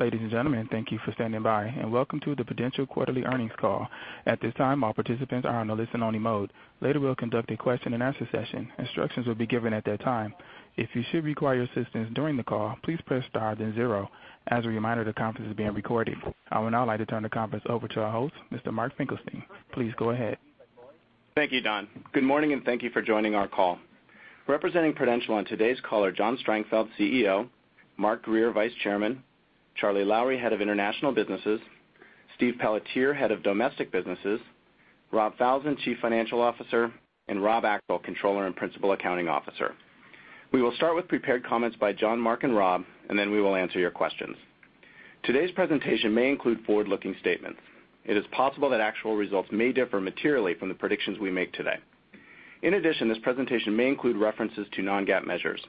Ladies and gentlemen, thank you for standing by, and welcome to the Prudential quarterly earnings call. At this time, all participants are in a listen-only mode. Later, we'll conduct a question-and-answer session. Instructions will be given at that time. If you should require assistance during the call, please press star then zero. As a reminder, the conference is being recorded. I would now like to turn the conference over to our host, Mr. Mark Finkelstein. Please go ahead. Thank you, Don. Good morning, and thank you for joining our call. Representing Prudential on today's call are John Strangfeld, CEO; Mark Grier, Vice Chairman; Charlie Lowrey, Head of International Businesses; Steve Pelletier, Head of Domestic Businesses; Rob Falzon, Chief Financial Officer; and Rob Ackrill, Controller and Principal Accounting Officer. We will start with prepared comments by John, Mark, and Rob. Then we will answer your questions. Today's presentation may include forward-looking statements. It is possible that actual results may differ materially from the predictions we make today. In addition, this presentation may include references to non-GAAP measures.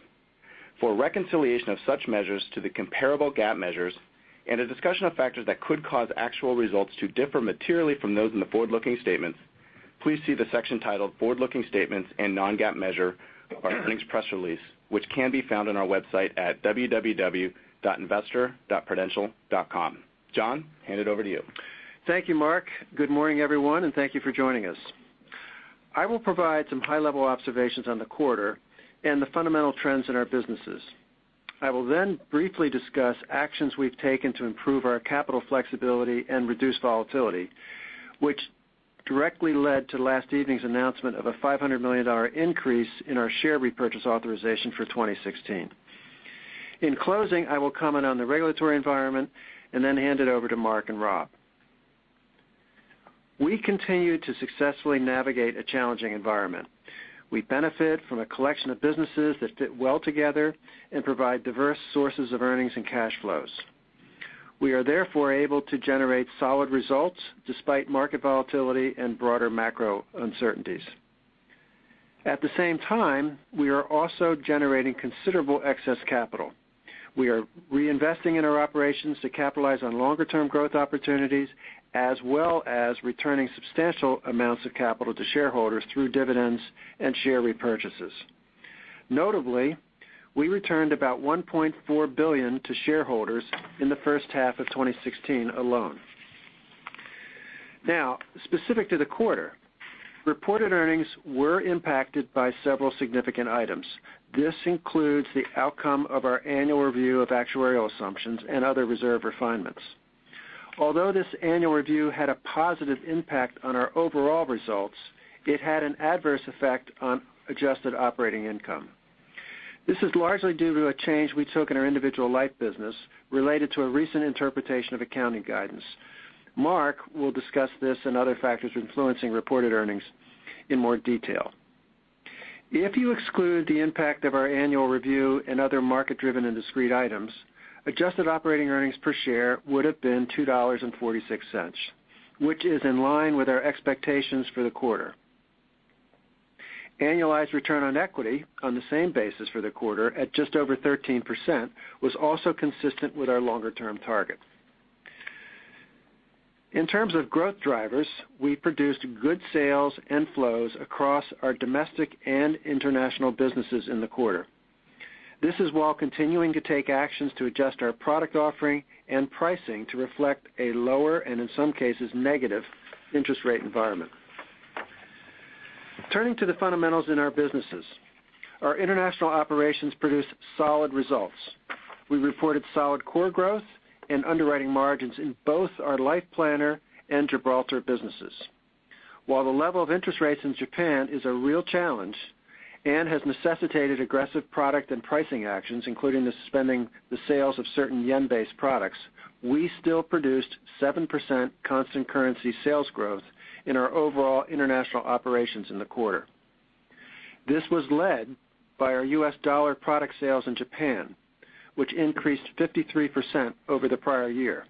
For a reconciliation of such measures to the comparable GAAP measures and a discussion of factors that could cause actual results to differ materially from those in the forward-looking statements, please see the section titled Forward-Looking Statements and Non-GAAP Measure of our earnings press release, which can be found on our website at www.investor.prudential.com. John, hand it over to you. Thank you, Mark. Good morning, everyone, and thank you for joining us. I will provide some high-level observations on the quarter and the fundamental trends in our businesses. I will then briefly discuss actions we've taken to improve our capital flexibility and reduce volatility, which directly led to last evening's announcement of a $500 million increase in our share repurchase authorization for 2016. In closing, I will comment on the regulatory environment and then hand it over to Mark and Rob. We continue to successfully navigate a challenging environment. We benefit from a collection of businesses that fit well together and provide diverse sources of earnings and cash flows. We are therefore able to generate solid results despite market volatility and broader macro uncertainties. At the same time, we are also generating considerable excess capital. We are reinvesting in our operations to capitalize on longer-term growth opportunities, as well as returning substantial amounts of capital to shareholders through dividends and share repurchases. Notably, we returned about $1.4 billion to shareholders in the first half of 2016 alone. Specific to the quarter, reported earnings were impacted by several significant items. This includes the outcome of our annual review of actuarial assumptions and other reserve refinements. Although this annual review had a positive impact on our overall results, it had an adverse effect on adjusted operating income. This is largely due to a change we took in our individual life business related to a recent interpretation of accounting guidance. Mark will discuss this and other factors influencing reported earnings in more detail. If you exclude the impact of our annual review and other market-driven and discrete items, adjusted operating earnings per share would have been $2.46, which is in line with our expectations for the quarter. Annualized return on equity on the same basis for the quarter, at just over 13%, was also consistent with our longer-term target. In terms of growth drivers, we produced good sales and flows across our domestic and international businesses in the quarter. This is while continuing to take actions to adjust our product offering and pricing to reflect a lower, and in some cases, negative interest rate environment. Turning to the fundamentals in our businesses, our international operations produced solid results. We reported solid core growth and underwriting margins in both our Life Planner and Gibraltar businesses. While the level of interest rates in Japan is a real challenge and has necessitated aggressive product and pricing actions, including the suspending the sales of certain yen-based products, we still produced 7% constant currency sales growth in our overall international operations in the quarter. This was led by our US dollar product sales in Japan, which increased 53% over the prior year.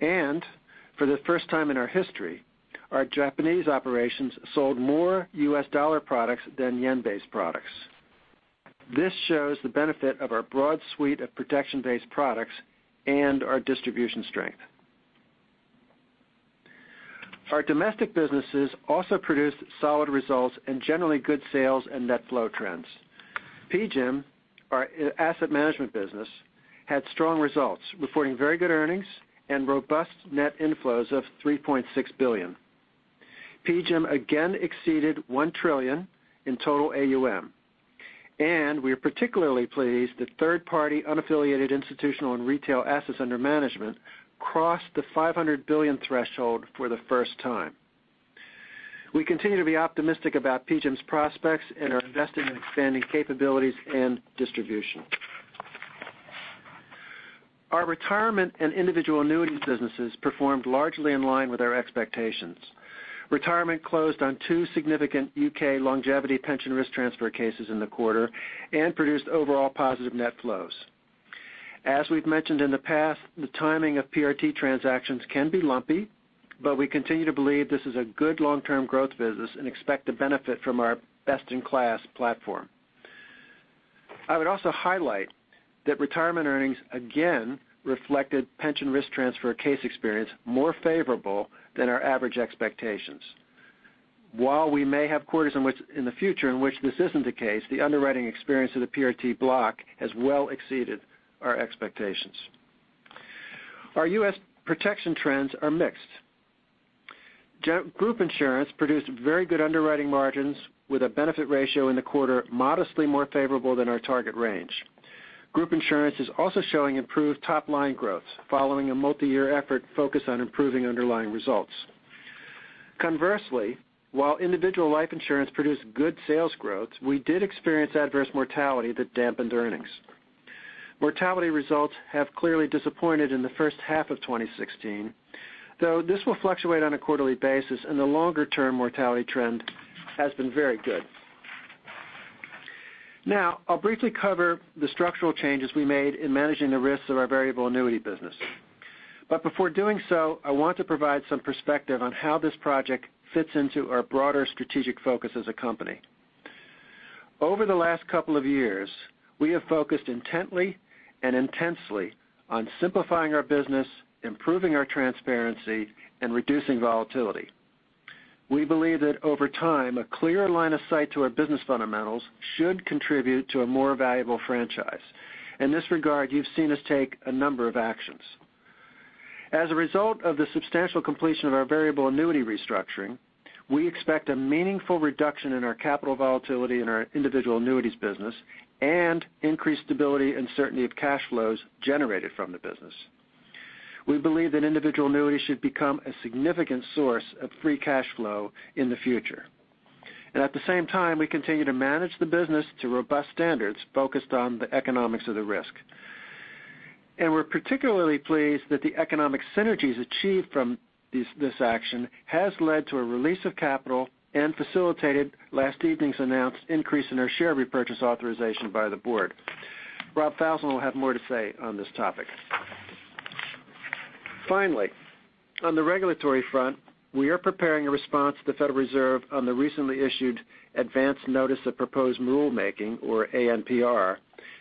For the first time in our history, our Japanese operations sold more US dollar products than yen-based products. This shows the benefit of our broad suite of protection-based products and our distribution strength. Our domestic businesses also produced solid results and generally good sales and net flow trends. PGIM, our asset management business, had strong results, reporting very good earnings and robust net inflows of $3.6 billion. PGIM again exceeded $1 trillion in total AUM. We are particularly pleased that third-party unaffiliated institutional and retail assets under management crossed the $500 billion threshold for the first time. We continue to be optimistic about PGIM's prospects and are investing in expanding capabilities and distribution. Our retirement and individual annuities businesses performed largely in line with our expectations. Retirement closed on two significant U.K. longevity pension risk transfer cases in the quarter and produced overall positive net flows. As we've mentioned in the past, the timing of PRT transactions can be lumpy, but we continue to believe this is a good long-term growth business and expect to benefit from our best-in-class platform. I would also highlight that retirement earnings again reflected pension risk transfer case experience more favorable than our average expectations. While we may have quarters in the future in which this isn't the case, the underwriting experience of the PRT block has well exceeded our expectations. Our U.S. protection trends are mixed. Group insurance produced very good underwriting margins with a benefit ratio in the quarter modestly more favorable than our target range. Group insurance is also showing improved top-line growth following a multi-year effort focused on improving underlying results. Conversely, while individual life insurance produced good sales growth, we did experience adverse mortality that dampened earnings. Mortality results have clearly disappointed in the first half of 2016, though this will fluctuate on a quarterly basis, and the longer-term mortality trend has been very good. Now, I'll briefly cover the structural changes we made in managing the risks of our variable annuity business. Before doing so, I want to provide some perspective on how this project fits into our broader strategic focus as a company. Over the last couple of years, we have focused intently and intensely on simplifying our business, improving our transparency, and reducing volatility. We believe that over time, a clear line of sight to our business fundamentals should contribute to a more valuable franchise. In this regard, you've seen us take a number of actions. As a result of the substantial completion of our variable annuity restructuring, we expect a meaningful reduction in our capital volatility in our individual annuities business and increased stability and certainty of cash flows generated from the business. We believe that individual annuities should become a significant source of free cash flow in the future. At the same time, we continue to manage the business to robust standards focused on the economics of the risk. We're particularly pleased that the economic synergies achieved from this action has led to a release of capital and facilitated last evening's announced increase in our share repurchase authorization by the board. Rob Falzon will have more to say on this topic. Finally, on the regulatory front, we are preparing a response to the Federal Reserve on the recently issued advance notice of proposed rulemaking, or ANPR,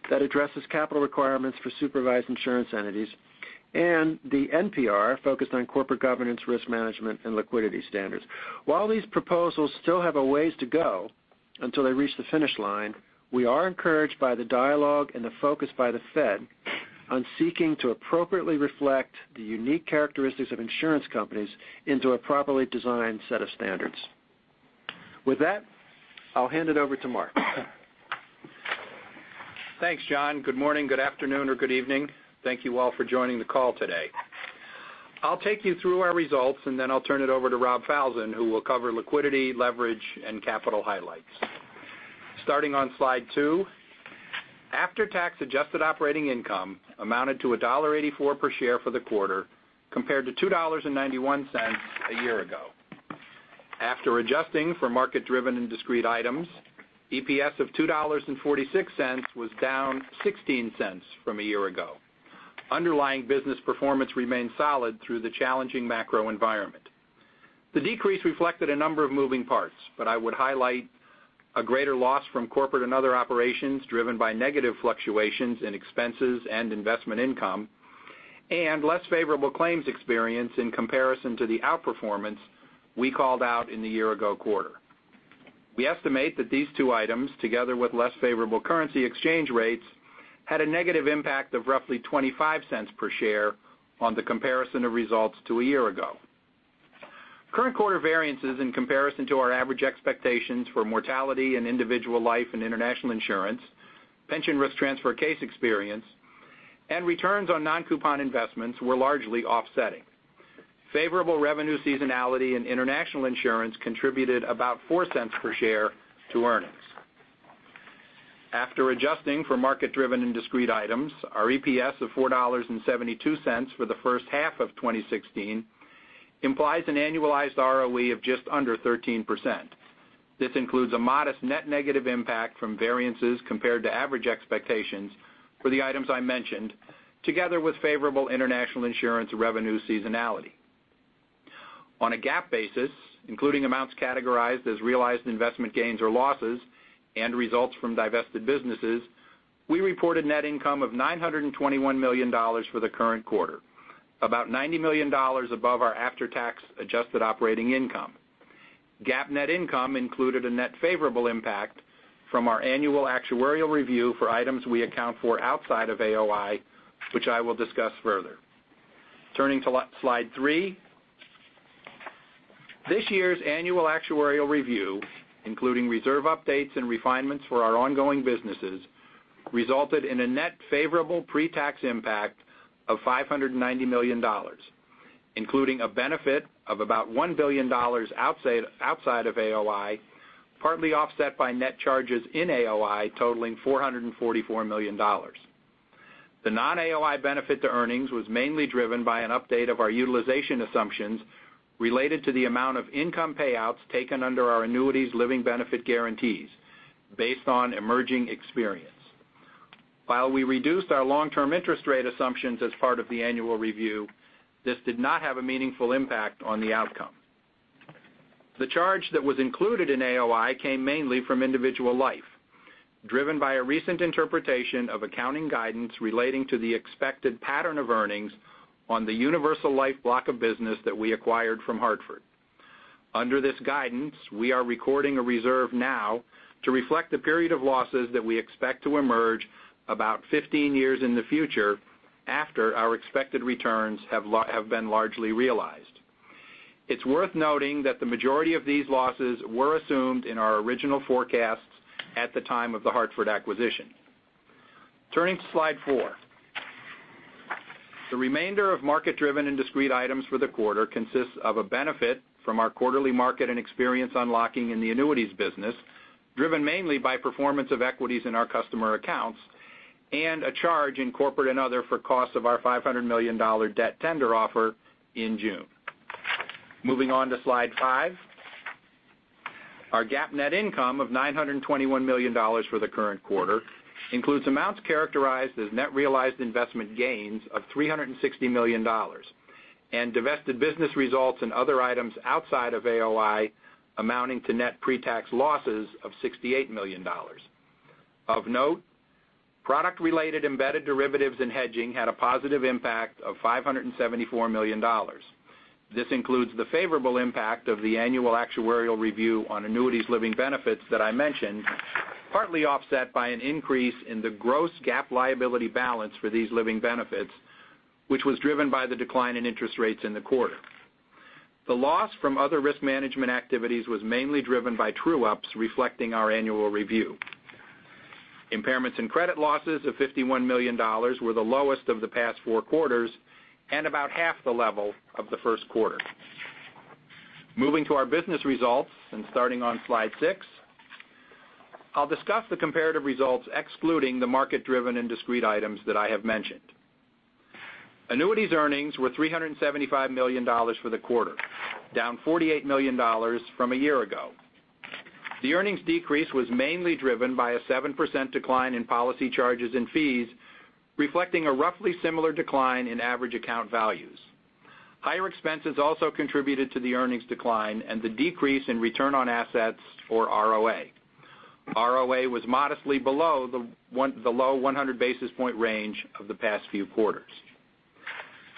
that addresses capital requirements for supervised insurance entities and the NPR focused on corporate governance, risk management, and liquidity standards. While these proposals still have a ways to go until they reach the finish line, we are encouraged by the dialogue and the focus by the Fed on seeking to appropriately reflect the unique characteristics of insurance companies into a properly designed set of standards. With that, I'll hand it over to Mark. Thanks, John. Good morning, good afternoon, or good evening. Thank you all for joining the call today. I will take you through our results, then I will turn it over to Rob Falzon, who will cover liquidity, leverage, and capital highlights. Starting on slide two, after-tax adjusted operating income amounted to $1.84 per share for the quarter, compared to $2.91 a year ago. After adjusting for market-driven and discrete items, EPS of $2.46 was down $0.16 from a year ago. Underlying business performance remained solid through the challenging macro environment. The decrease reflected a number of moving parts, but I would highlight a greater loss from corporate and other operations driven by negative fluctuations in expenses and investment income and less favorable claims experience in comparison to the outperformance we called out in the year-ago quarter. We estimate that these two items, together with less favorable currency exchange rates, had a negative impact of roughly $0.25 per share on the comparison of results to a year ago. Current quarter variances in comparison to our average expectations for mortality in individual life and international insurance, pension risk transfer case experience, and returns on non-coupon investments were largely offsetting. Favorable revenue seasonality in international insurance contributed about $0.04 per share to earnings. After adjusting for market-driven and discrete items, our EPS of $4.72 for the first half of 2016 implies an annualized ROE of just under 13%. This includes a modest net negative impact from variances compared to average expectations for the items I mentioned, together with favorable international insurance revenue seasonality. On a GAAP basis, including amounts categorized as realized investment gains or losses and results from divested businesses, we reported net income of $921 million for the current quarter, about $90 million above our after-tax adjusted operating income. GAAP net income included a net favorable impact from our annual actuarial review for items we account for outside of AOI, which I will discuss further. Turning to slide three. This year's annual actuarial review, including reserve updates and refinements for our ongoing businesses, resulted in a net favorable pre-tax impact of $590 million, including a benefit of about $1 billion outside of AOI, partly offset by net charges in AOI totaling $444 million. The non-AOI benefit to earnings was mainly driven by an update of our utilization assumptions related to the amount of income payouts taken under our annuities living benefit guarantees based on emerging experience. While we reduced our long-term interest rate assumptions as part of the annual review, this did not have a meaningful impact on the outcome. The charge that was included in AOI came mainly from individual life. Driven by a recent interpretation of accounting guidance relating to the expected pattern of earnings on the Universal Life block of business that we acquired from The Hartford. Under this guidance, we are recording a reserve now to reflect the period of losses that we expect to emerge about 15 years in the future, after our expected returns have been largely realized. It is worth noting that the majority of these losses were assumed in our original forecasts at the time of The Hartford acquisition. Turning to slide four. The remainder of market-driven and discrete items for the quarter consists of a benefit from our quarterly market and experience unlocking in the annuities business, driven mainly by performance of equities in our customer accounts, and a charge in corporate and other for costs of our $500 million debt tender offer in June. Moving on to slide five. Our GAAP net income of $921 million for the current quarter includes amounts characterized as net realized investment gains of $360 million, and divested business results and other items outside of AOI amounting to net pre-tax losses of $68 million. Of note, product-related embedded derivatives and hedging had a positive impact of $574 million. This includes the favorable impact of the annual actuarial review on annuities living benefits that I mentioned, partly offset by an increase in the gross GAAP liability balance for these living benefits, which was driven by the decline in interest rates in the quarter. The loss from other risk management activities was mainly driven by true-ups reflecting our annual review. Impairments in credit losses of $51 million were the lowest of the past four quarters and about half the level of the first quarter. Moving to our business results and starting on slide six. I'll discuss the comparative results excluding the market-driven and discrete items that I have mentioned. Annuities earnings were $375 million for the quarter, down $48 million from a year ago. The earnings decrease was mainly driven by a 7% decline in policy charges and fees, reflecting a roughly similar decline in average account values. Higher expenses also contributed to the earnings decline and the decrease in return on assets, or ROA. ROA was modestly below the low 100-basis-point range of the past few quarters.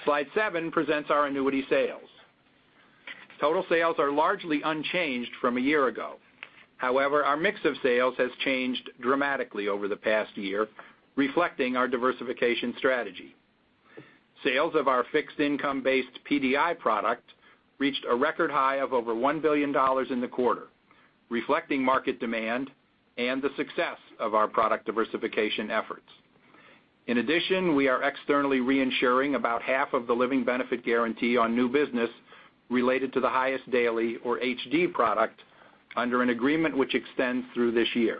Slide seven presents our annuity sales. Total sales are largely unchanged from a year ago. Our mix of sales has changed dramatically over the past year, reflecting our diversification strategy. Sales of our fixed income-based PDI product reached a record high of over $1 billion in the quarter, reflecting market demand and the success of our product diversification efforts. We are externally reinsuring about half of the living benefit guarantee on new business related to the Highest Daily, or HD product, under an agreement which extends through this year.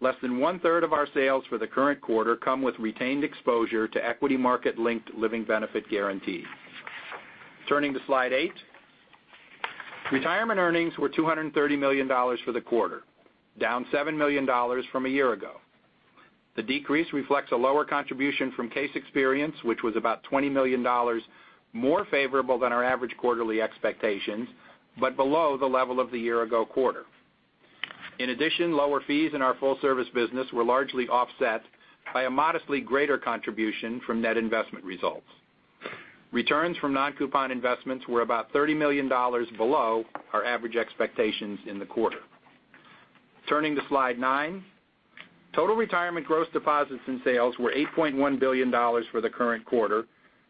Less than one-third of our sales for the current quarter come with retained exposure to equity market-linked living benefit guarantees. Turning to slide eight. Retirement earnings were $230 million for the quarter, down $7 million from a year ago. The decrease reflects a lower contribution from case experience, which was about $20 million, more favorable than our average quarterly expectations, but below the level of the year-ago quarter. Lower fees in our full-service business were largely offset by a modestly greater contribution from net investment results. Returns from non-coupon investments were about $30 million below our average expectations in the quarter. Turning to slide nine. Total retirement gross deposits and sales were $8.1 billion for the current quarter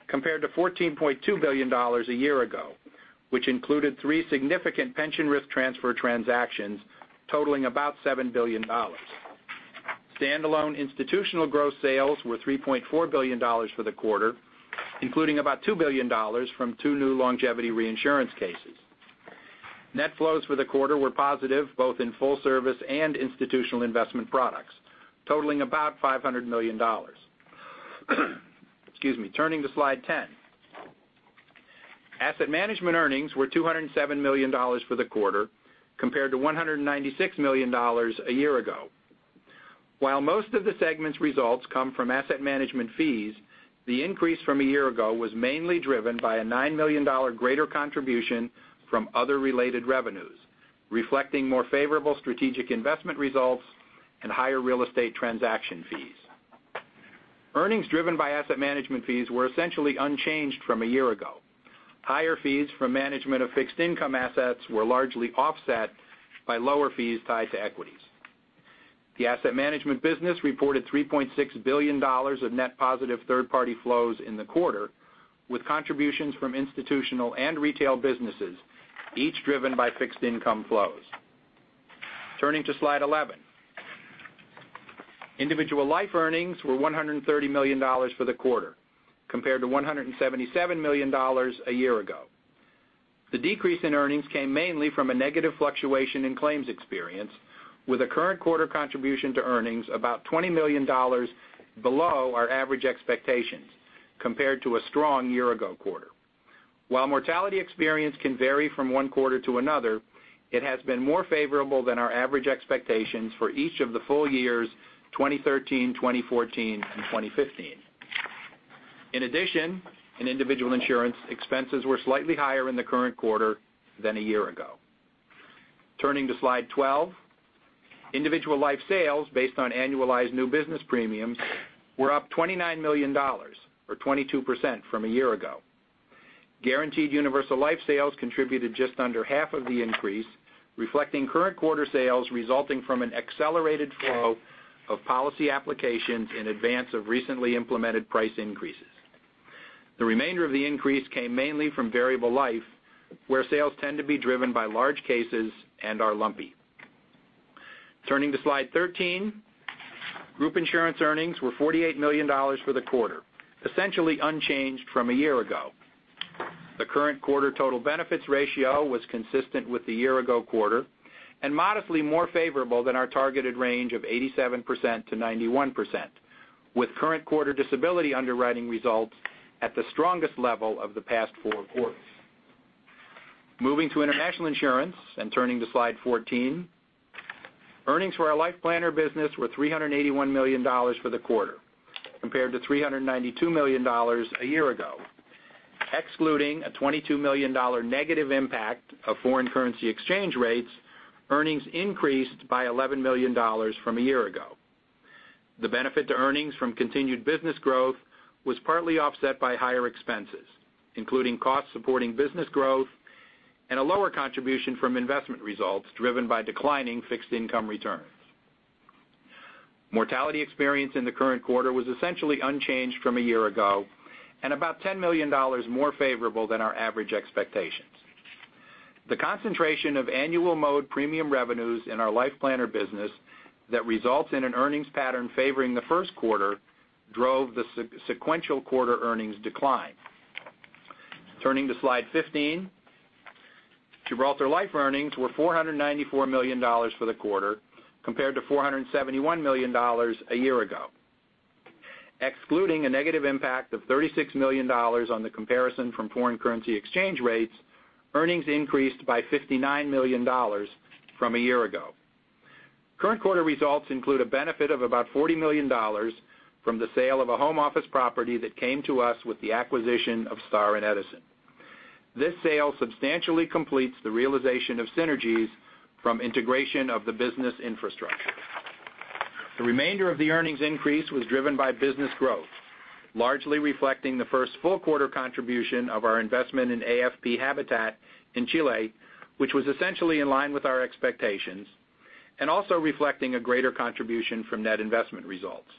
compared to $14.2 billion a year ago, which included three significant pension risk transfer transactions totaling about $7 billion. Standalone institutional gross sales were $3.4 billion for the quarter, including about $2 billion from two new longevity reinsurance cases. Net flows for the quarter were positive, both in full-service and institutional investment products, totaling about $500 million. Turning to slide 10. Asset management earnings were $207 million for the quarter, compared to $196 million a year ago. While most of the segment's results come from asset management fees, the increase from a year ago was mainly driven by a $9 million greater contribution from other related revenues, reflecting more favorable strategic investment results and higher real estate transaction fees. Earnings driven by asset management fees were essentially unchanged from a year ago. Higher fees from management of fixed income assets were largely offset by lower fees tied to equities. The asset management business reported $3.6 billion of net positive third-party flows in the quarter, with contributions from institutional and retail businesses, each driven by fixed income flows. Turning to slide 11. Individual life earnings were $130 million for the quarter, compared to $177 million a year ago. The decrease in earnings came mainly from a negative fluctuation in claims experience, with a current quarter contribution to earnings about $20 million below our average expectations, compared to a strong year-ago quarter. While mortality experience can vary from one quarter to another, it has been more favorable than our average expectations for each of the full years 2013, 2014, and 2015. In addition, in individual insurance, expenses were slightly higher in the current quarter than a year ago. Turning to Slide 12, individual life sales, based on annualized new business premiums, were up $29 million or 22% from a year ago. Guaranteed universal life sales contributed just under half of the increase, reflecting current quarter sales resulting from an accelerated flow of policy applications in advance of recently implemented price increases. The remainder of the increase came mainly from variable life, where sales tend to be driven by large cases and are lumpy. Turning to Slide 13. Group insurance earnings were $48 million for the quarter, essentially unchanged from a year ago. The current quarter total benefits ratio was consistent with the year ago quarter, and modestly more favorable than our targeted range of 87%-91%, with current quarter disability underwriting results at the strongest level of the past four quarters. Moving to international insurance and turning to Slide 14. Earnings for our life planner business were $381 million for the quarter, compared to $392 million a year ago. Excluding a $22 million negative impact of foreign currency exchange rates, earnings increased by $11 million from a year ago. The benefit to earnings from continued business growth was partly offset by higher expenses, including costs supporting business growth, and a lower contribution from investment results driven by declining fixed income returns. Mortality experience in the current quarter was essentially unchanged from a year ago, and about $10 million more favorable than our average expectations. The concentration of annual mode premium revenues in our life planner business that results in an earnings pattern favoring the first quarter drove the sequential quarter earnings decline. Turning to Slide 15. Gibraltar Life earnings were $494 million for the quarter, compared to $471 million a year ago. Excluding a negative impact of $36 million on the comparison from foreign currency exchange rates, earnings increased by $59 million from a year ago. Current quarter results include a benefit of about $40 million from the sale of a home office property that came to us with the acquisition of Star & Edison. This sale substantially completes the realization of synergies from integration of the business infrastructure. The remainder of the earnings increase was driven by business growth, largely reflecting the first full quarter contribution of our investment in AFP Habitat in Chile, which was essentially in line with our expectations, and also reflecting a greater contribution from net investment results.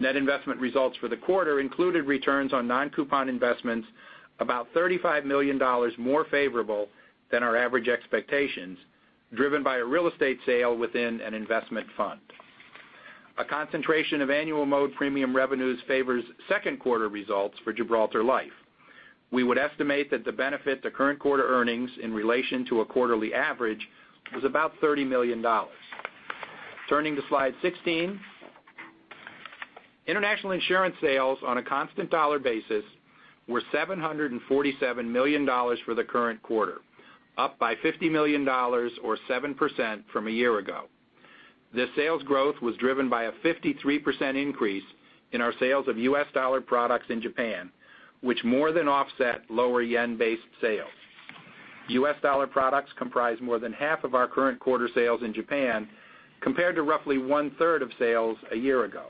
Net investment results for the quarter included returns on non-coupon investments about $35 million more favorable than our average expectations, driven by a real estate sale within an investment fund. A concentration of annual mode premium revenues favors second quarter results for Gibraltar Life. We would estimate that the benefit to current quarter earnings in relation to a quarterly average was about $30 million. Turning to Slide 16. International insurance sales on a constant dollar basis were $747 million for the current quarter, up by $50 million or 7% from a year ago. This sales growth was driven by a 53% increase in our sales of US dollar products in Japan, which more than offset lower yen-based sales. US dollar products comprise more than half of our current quarter sales in Japan, compared to roughly one-third of sales a year ago.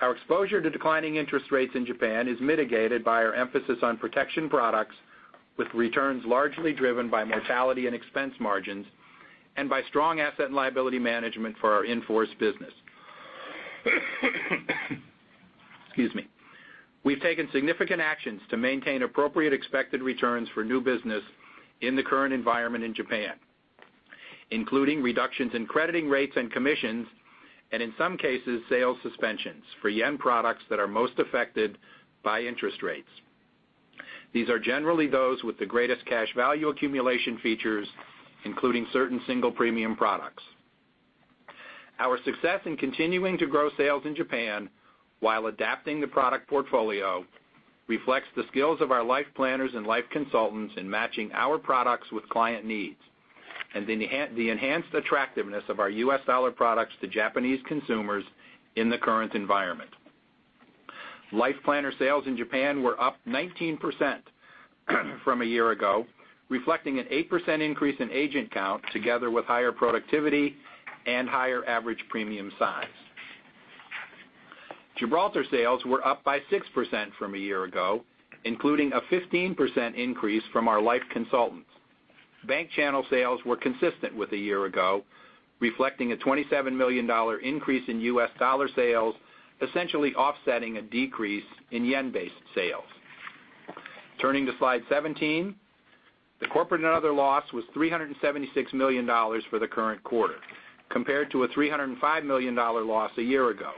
Our exposure to declining interest rates in Japan is mitigated by our emphasis on protection products with returns largely driven by mortality and expense margins and by strong asset and liability management for our in-force business. Excuse me. We've taken significant actions to maintain appropriate expected returns for new business in the current environment in Japan, including reductions in crediting rates and commissions, and in some cases, sales suspensions for yen products that are most affected by interest rates. These are generally those with the greatest cash value accumulation features, including certain single premium products. Our success in continuing to grow sales in Japan while adapting the product portfolio reflects the skills of our life planners and life consultants in matching our products with client needs, and the enhanced attractiveness of our US dollar products to Japanese consumers in the current environment. Life planner sales in Japan were up 19% from a year ago, reflecting an 8% increase in agent count together with higher productivity and higher average premium size. Gibraltar sales were up by 6% from a year ago, including a 15% increase from our life consultants. Bank channel sales were consistent with a year ago, reflecting a $27 million increase in US dollar sales, essentially offsetting a decrease in yen-based sales. Turning to Slide 17. The corporate and other loss was $376 million for the current quarter, compared to a $305 million loss a year ago.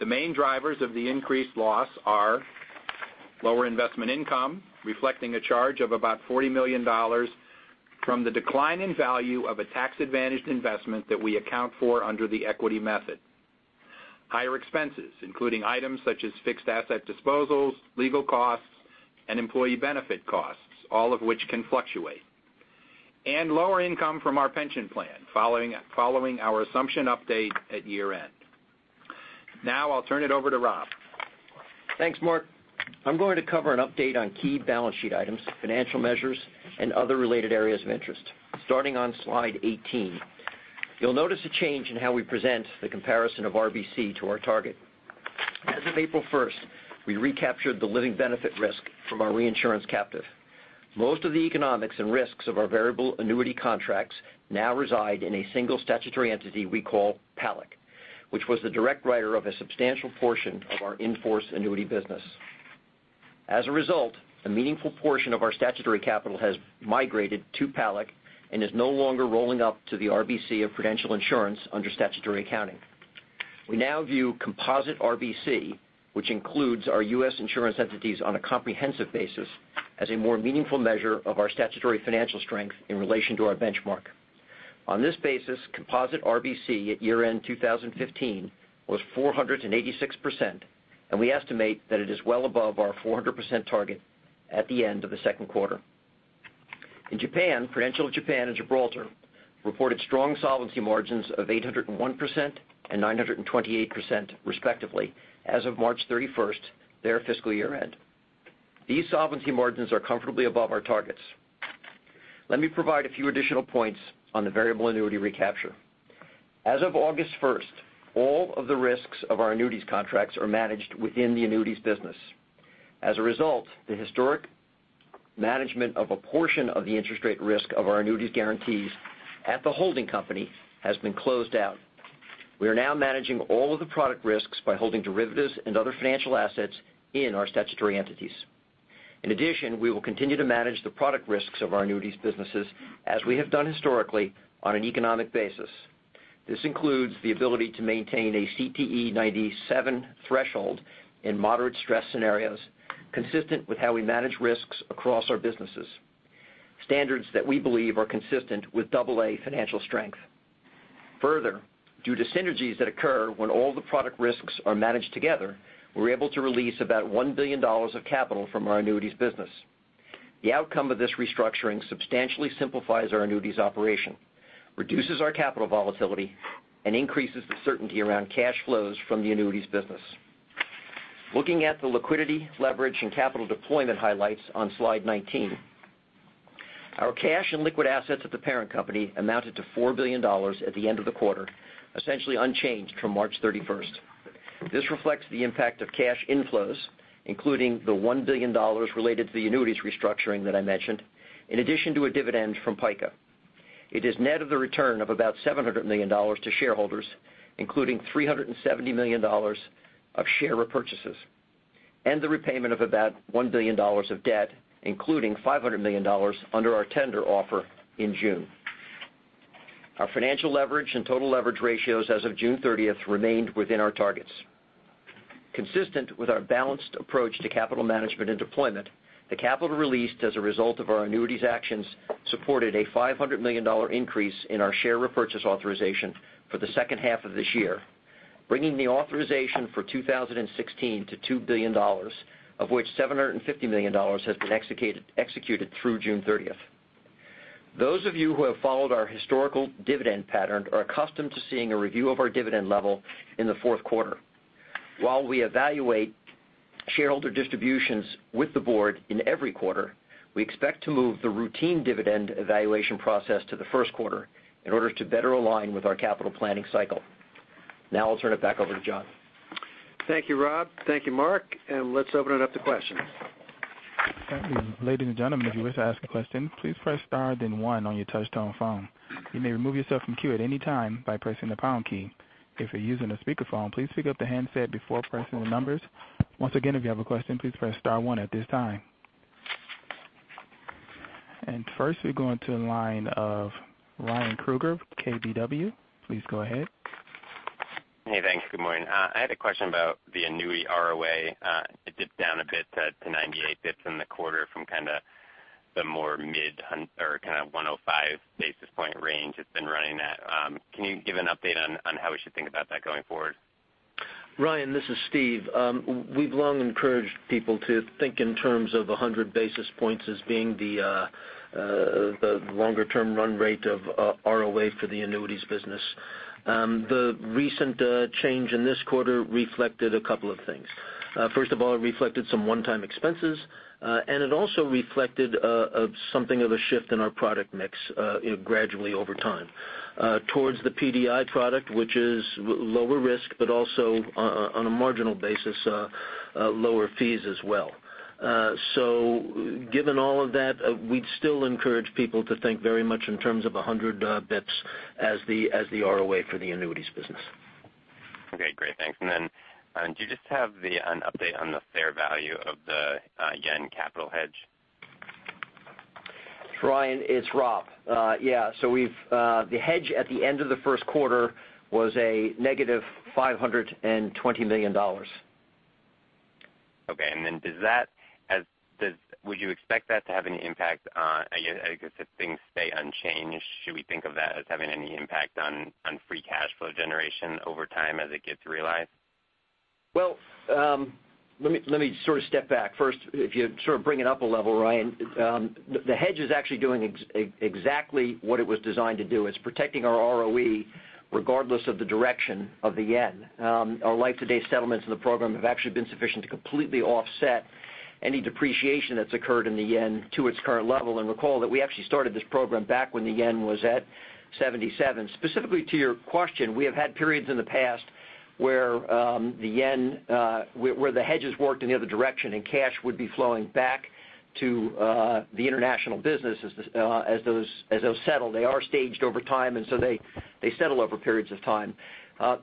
The main drivers of the increased loss are lower investment income, reflecting a charge of about $40 million from the decline in value of a tax-advantaged investment that we account for under the equity method. Higher expenses, including items such as fixed asset disposals, legal costs, and employee benefit costs, all of which can fluctuate. Lower income from our pension plan following our assumption update at year-end. Now I'll turn it over to Rob. Thanks, Mark. I'm going to cover an update on key balance sheet items, financial measures, and other related areas of interest. Starting on slide 18. You'll notice a change in how we present the comparison of RBC to our target. As of April 1st, we recaptured the living benefit risk from our reinsurance captive. Most of the economics and risks of our variable annuity contracts now reside in a single statutory entity we call PALIC, which was the direct writer of a substantial portion of our in-force annuity business. As a result, a meaningful portion of our statutory capital has migrated to PALIC and is no longer rolling up to the RBC of Prudential Insurance under statutory accounting. We now view composite RBC, which includes our U.S. insurance entities on a comprehensive basis, as a more meaningful measure of our statutory financial strength in relation to our benchmark. On this basis, composite RBC at year-end 2015 was 486%, and we estimate that it is well above our 400% target at the end of the second quarter. In Japan, Prudential Japan and Gibraltar reported strong solvency margins of 801% and 928%, respectively, as of March 31st, their fiscal year-end. These solvency margins are comfortably above our targets. Let me provide a few additional points on the variable annuity recapture. As of August 1st, all of the risks of our annuities contracts are managed within the annuities business. As a result, the historic management of a portion of the interest rate risk of our annuities guarantees at the holding company has been closed out. We are now managing all of the product risks by holding derivatives and other financial assets in our statutory entities. In addition, we will continue to manage the product risks of our annuities businesses as we have done historically on an economic basis. This includes the ability to maintain a CTE 97 threshold in moderate stress scenarios consistent with how we manage risks across our businesses. Standards that we believe are consistent with double A financial strength. Further, due to synergies that occur when all the product risks are managed together, we're able to release about $1 billion of capital from our annuities business. The outcome of this restructuring substantially simplifies our annuities operation, reduces our capital volatility, and increases the certainty around cash flows from the annuities business. Looking at the liquidity leverage and capital deployment highlights on slide 19. Our cash and liquid assets at the parent company amounted to $4 billion at the end of the quarter, essentially unchanged from March 31st. This reflects the impact of cash inflows, including the $1 billion related to the annuities restructuring that I mentioned, in addition to a dividend from PICA. It is net of the return of about $700 million to shareholders, including $370 million of share repurchases, and the repayment of about $1 billion of debt, including $500 million under our tender offer in June. Our financial leverage and total leverage ratios as of June 30th remained within our targets. Consistent with our balanced approach to capital management and deployment, the capital released as a result of our annuities actions supported a $500 million increase in our share repurchase authorization for the second half of this year, bringing the authorization for 2016 to $2 billion, of which $750 million has been executed through June 30th. Those of you who have followed our historical dividend pattern are accustomed to seeing a review of our dividend level in the fourth quarter. While we evaluate shareholder distributions with the board in every quarter, we expect to move the routine dividend evaluation process to the first quarter in order to better align with our capital planning cycle. I'll turn it back over to John. Thank you, Rob. Thank you, Mark. Let's open it up to questions. Ladies and gentlemen, if you wish to ask a question, please press star then one on your touch-tone phone. You may remove yourself from queue at any time by pressing the pound key. If you're using a speakerphone, please pick up the handset before pressing the numbers. Once again, if you have a question, please press star one at this time. First we go into the line of Ryan Krueger, KBW. Please go ahead. Hey, thanks. Good morning. I had a question about the annuity ROA. It dipped down a bit to 98 basis points in the quarter from kind of the more mid or kind of 105 basis point range it's been running at. Can you give an update on how we should think about that going forward? Ryan, this is Steve. We've long encouraged people to think in terms of 100 basis points as being the longer-term run rate of ROA for the annuities business. The recent change in this quarter reflected a couple of things. First of all, it reflected some one-time expenses, and it also reflected something of a shift in our product mix gradually over time towards the PDI product, which is lower risk, but also on a marginal basis, lower fees as well. Given all of that, we'd still encourage people to think very much in terms of 100 basis points as the ROA for the annuities business. Okay, great. Thanks. Do you just have an update on the fair value of the JPY capital hedge? Ryan, it's Rob. The hedge at the end of the first quarter was a negative $520 million. Okay, would you expect that to have any impact on, I guess if things stay unchanged, think of that as having any impact on free cash flow generation over time as it gets realized? Well, let me sort of step back first. If you bring it up a level, Ryan, the hedge is actually doing exactly what it was designed to do. It's protecting our ROE regardless of the direction of the yen. Our like today settlements in the program have actually been sufficient to completely offset any depreciation that's occurred in the yen to its current level. Recall that we actually started this program back when the yen was at 77. Specifically to your question, we have had periods in the past where the hedges worked in the other direction, cash would be flowing back to the international business as those settle. They are staged over time, they settle over periods of time.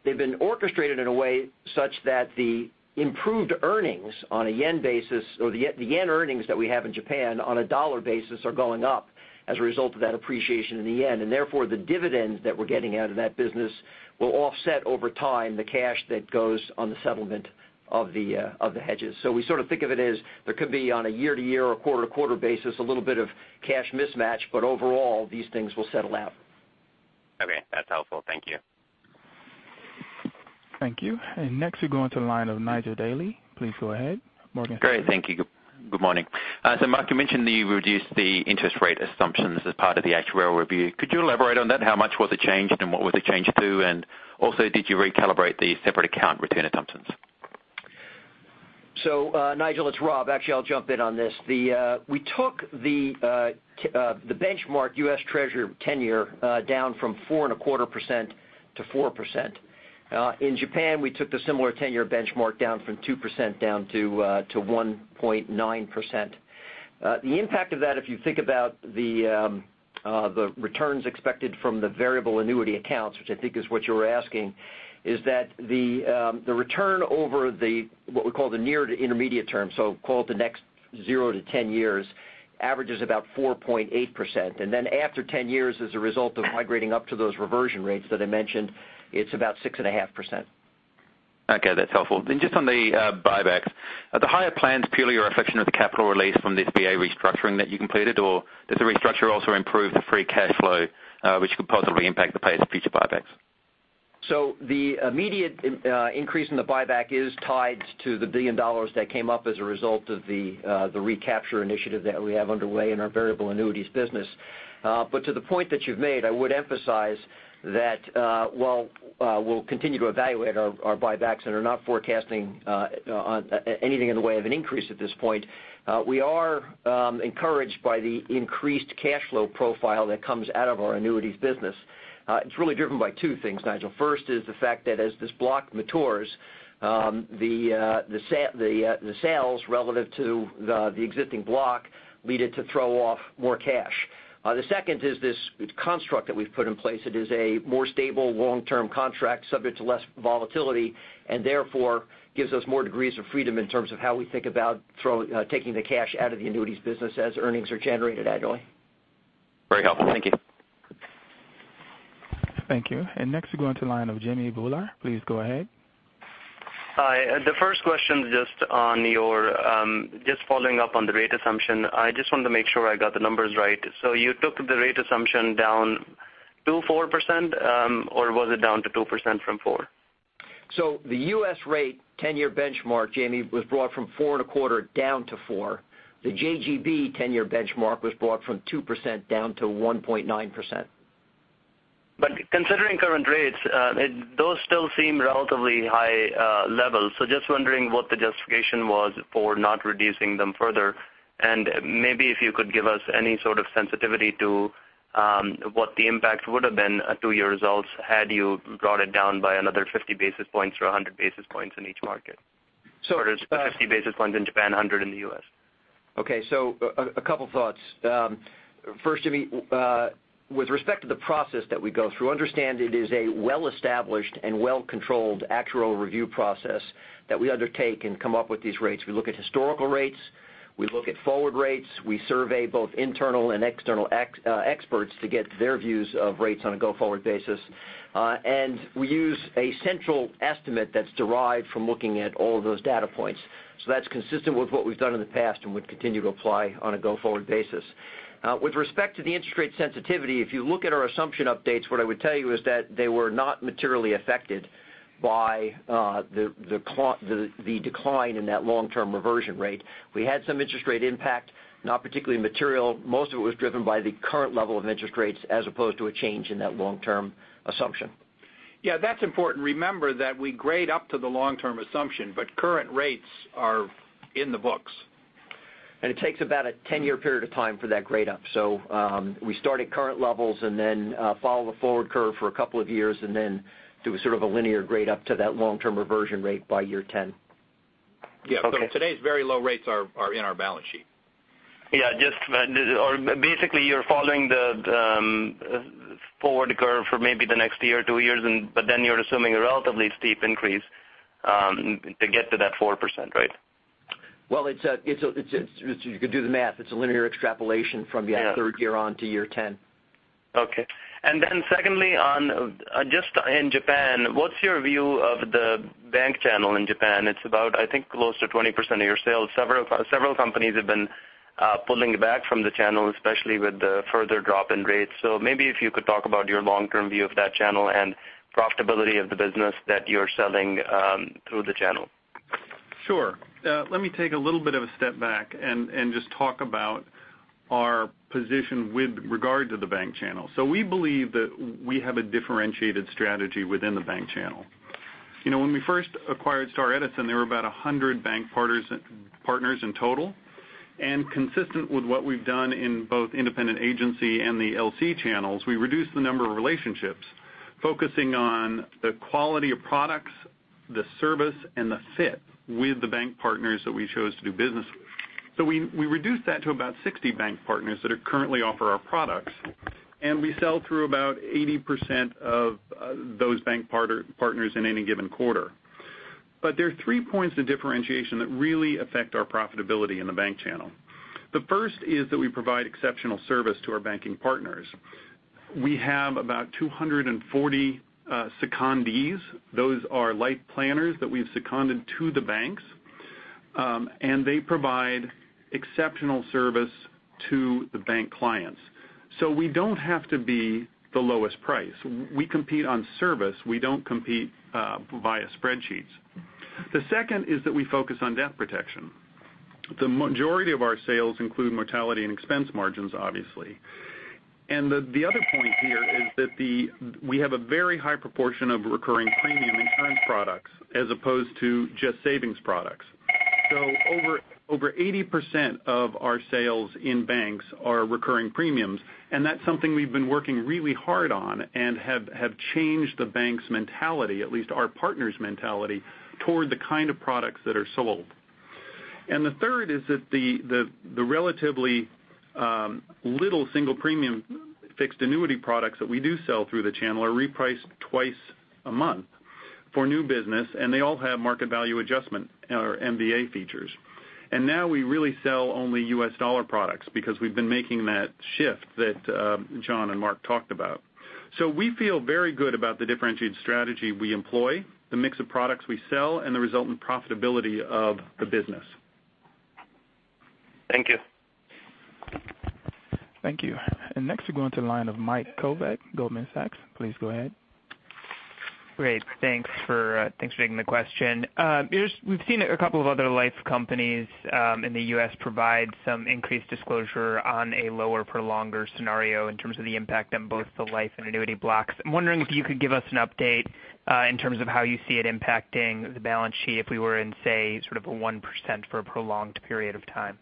They've been orchestrated in a way such that the improved earnings on a yen basis, or the yen earnings that we have in Japan on a dollar basis are going up as a result of that appreciation in the yen. Therefore, the dividends that we're getting out of that business will offset over time the cash that goes on the settlement of the hedges. We sort of think of it as there could be on a year-to-year or quarter-to-quarter basis, a little bit of cash mismatch, overall, these things will settle out. Okay. That's helpful. Thank you. Thank you. Next, we go into the line of Nigel Dally. Please go ahead. Morgan Stanley. Great. Thank you. Good morning. Mark, you mentioned that you reduced the interest rate assumptions as part of the actuarial review. Could you elaborate on that? How much was it changed, and what was it changed to? And also, did you recalibrate the separate account return assumptions? Nigel, it's Rob. Actually, I'll jump in on this. We took the benchmark U.S. Treasury 10-year down from 4.25% to 4%. In Japan, we took the similar 10-year benchmark down from 2% down to 1.9%. The impact of that, if you think about the returns expected from the variable annuity accounts, which I think is what you were asking, is that the return over what we call the near to intermediate term, call it the next 0 to 10 years, averages about 4.8%. Then after 10 years, as a result of migrating up to those reversion rates that I mentioned, it's about 6.5%. Okay, that's helpful. Just on the buybacks, are the higher plans purely a reflection of the capital release from this VA restructuring that you completed, or does the restructure also improve the free cash flow, which could possibly impact the pace of future buybacks? The immediate increase in the buyback is tied to the $1 billion that came up as a result of the recapture initiative that we have underway in our variable annuities business. To the point that you've made, I would emphasize that while we'll continue to evaluate our buybacks and are not forecasting anything in the way of an increase at this point, we are encouraged by the increased cash flow profile that comes out of our annuities business. It's really driven by two things, Nigel. First is the fact that as this block matures, the sales relative to the existing block lead it to throw off more cash. The second is this construct that we've put in place. It is a more stable long-term contract subject to less volatility, and therefore gives us more degrees of freedom in terms of how we think about taking the cash out of the annuities business as earnings are generated annually. Very helpful. Thank you. Thank you. Next, we go into the line of Jamminder Bhullar. Please go ahead. Hi. The first question is just following up on the rate assumption. I just wanted to make sure I got the numbers right. You took the rate assumption down to 4%, or was it down to 2% from 4%? The U.S. rate 10-year benchmark, Jammi, was brought from 4.25 down to 4. The JGB 10-year benchmark was brought from 2% down to 1.9%. Considering current rates, those still seem relatively high levels. Just wondering what the justification was for not reducing them further, and maybe if you could give us any sort of sensitivity to what the impact would have been to your results had you brought it down by another 50 basis points or 100 basis points in each market. Sure. Just 50 basis points in Japan, 100 in the U.S. Okay. A couple thoughts. First, Jammi, with respect to the process that we go through, understand it is a well-established and well-controlled actuarial review process that we undertake and come up with these rates. We look at historical rates, we look at forward rates, we survey both internal and external experts to get their views of rates on a go-forward basis. We use a central estimate that's derived from looking at all of those data points. That's consistent with what we've done in the past and would continue to apply on a go-forward basis. With respect to the interest rate sensitivity, if you look at our assumption updates, what I would tell you is that they were not materially affected by the decline in that long-term reversion rate. We had some interest rate impact, not particularly material. Most of it was driven by the current level of interest rates as opposed to a change in that long-term assumption. Yeah, that's important. Remember that we grade up to the long-term assumption, but current rates are in the books. It takes about a 10-year period of time for that grade up. We start at current levels and then follow the forward curve for a couple of years and then do a sort of a linear grade up to that long-term reversion rate by year 10. Okay. Yeah. Today's very low rates are in our balance sheet. Yeah. Basically, you're following the forward curve for maybe the next year or two years, then you're assuming a relatively steep increase to get to that 4%, right? Well, you could do the math. It's a linear extrapolation from the third year on to year 10. Okay. Secondly, just in Japan, what's your view of the bank channel in Japan? It's about, I think close to 20% of your sales. Several companies pulling back from the channel, especially with the further drop in rates. Maybe if you could talk about your long-term view of that channel and profitability of the business that you're selling through the channel. Sure. Let me take a little bit of a step back and just talk about our position with regard to the bank channel. We believe that we have a differentiated strategy within the bank channel. When we first acquired Star Edison, there were about 100 bank partners in total. Consistent with what we've done in both independent agency and the ILC channels, we reduced the number of relationships, focusing on the quality of products, the service, and the fit with the bank partners that we chose to do business with. We reduced that to about 60 bank partners that currently offer our products, and we sell through about 80% of those bank partners in any given quarter. There are three points of differentiation that really affect our profitability in the bank channel. The first is that we provide exceptional service to our banking partners. We have about 240 secondees. Those are life planners that we've seconded to the banks, and they provide exceptional service to the bank clients. We don't have to be the lowest price. We compete on service. We don't compete via spreadsheets. The second is that we focus on debt protection. The majority of our sales include mortality and expense margins, obviously. The other point here is that we have a very high proportion of recurring premium insurance products as opposed to just savings products. Over 80% of our sales in banks are recurring premiums, and that's something we've been working really hard on and have changed the bank's mentality, at least our partner's mentality, toward the kind of products that are sold. The third is that the relatively little single premium fixed annuity products that we do sell through the channel are repriced twice a month for new business, and they all have market value adjustment or MVA features. Now we really sell only US dollar products because we've been making that shift that John and Mark talked about. We feel very good about the differentiated strategy we employ, the mix of products we sell, and the resultant profitability of the business. Thank you. Thank you. Next we go on to the line of Michael Kovac, Goldman Sachs. Please go ahead. Great. Thanks for taking the question. We've seen a couple of other life companies in the U.S. provide some increased disclosure on a lower for longer scenario in terms of the impact on both the life and annuity blocks. I'm wondering if you could give us an update in terms of how you see it impacting the balance sheet if we were in, say, sort of a 1% for a prolonged period of time.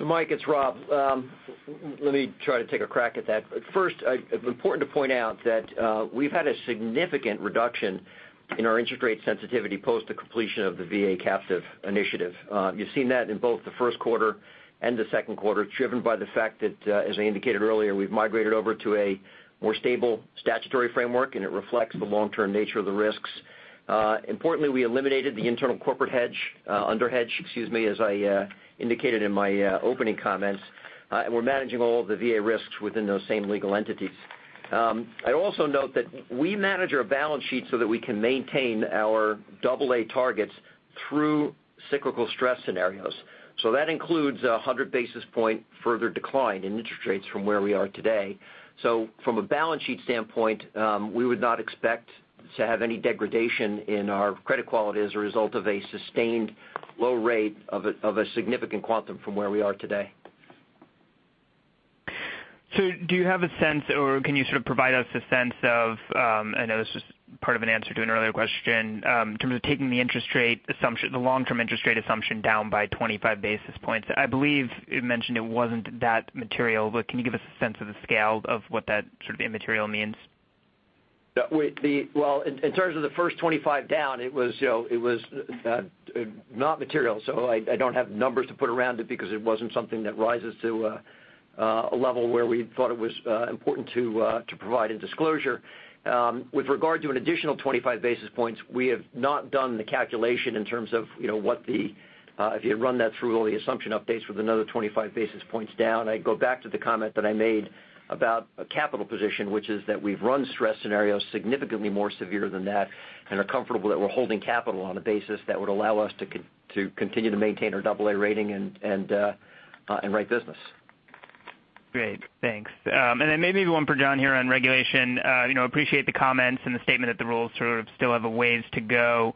Mike, it's Rob. Let me try to take a crack at that. First, it's important to point out that we've had a significant reduction in our interest rate sensitivity post the completion of the VA captive initiative. You've seen that in both the first quarter and the second quarter, driven by the fact that, as I indicated earlier, we've migrated over to a more stable statutory framework, and it reflects the long-term nature of the risks. Importantly, I eliminated the internal corporate hedge, underhedge, excuse me, as I indicated in my opening comments, and we're managing all of the VA risks within those same legal entities. I'd also note that we manage our balance sheet so that we can maintain our double A targets through cyclical stress scenarios. That includes 100 basis point further decline in interest rates from where we are today. From a balance sheet standpoint, we would not expect to have any degradation in our credit quality as a result of a sustained low rate of a significant quantum from where we are today. Do you have a sense, or can you sort of provide us a sense of, I know this is part of an answer to an earlier question, in terms of taking the long-term interest rate assumption down by 25 basis points? I believe you mentioned it wasn't that material, but can you give us a sense of the scale of what that sort of immaterial means? Well, in terms of the first 25 down, it was not material. I don't have numbers to put around it because it wasn't something that rises to a level where we thought it was important to provide a disclosure. With regard to an additional 25 basis points, we have not done the calculation in terms of if you had run that through all the assumption updates with another 25 basis points down, I'd go back to the comment that I made about a capital position, which is that we've run stress scenarios significantly more severe than that and are comfortable that we're holding capital on a basis that would allow us to continue to maintain our double A rating and write business. Great. Thanks. Maybe one for John here on regulation. Appreciate the comments and the statement that the rules sort of still have a ways to go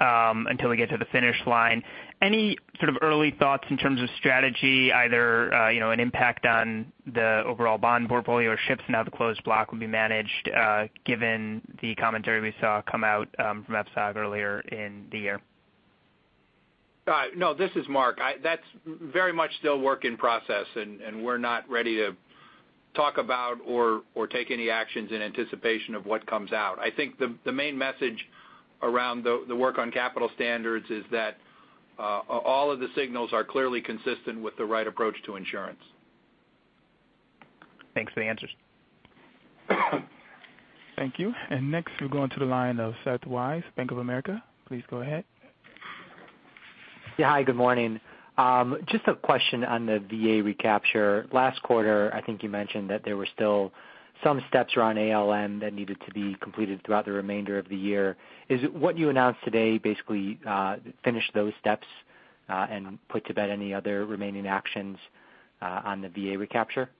until we get to the finish line. Any sort of early thoughts in terms of strategy, either an impact on the overall bond portfolio or shifts in how the closed block will be managed given the commentary we saw come out from FSOC earlier in the year? No, this is Mark. That's very much still work in process. We're not ready to talk about or take any actions in anticipation of what comes out. I think the main message around the work on capital standards is that all of the signals are clearly consistent with the right approach to insurance. Thanks for the answers. Thank you. Next we'll go on to the line of Seth Wise, Bank of America. Please go ahead. Yeah. Hi, good morning. Just a question on the VA recapture. Last quarter, I think you mentioned that there were still some steps around ALM that needed to be completed throughout the remainder of the year. Is what you announced today basically finished those steps and put to bed any other remaining actions on the VA recapture?